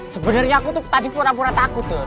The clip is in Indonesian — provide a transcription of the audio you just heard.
sebenernya aku tuh tadi pura pura takut dor